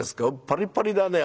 「パリパリだね。